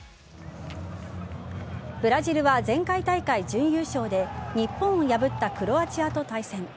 ブラジルは前回大会準優勝で日本を破ったクロアチアと対戦。